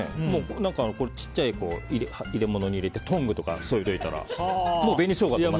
小さい入れ物に入れてトングとか添えておいたらもう紅ショウガと間違える。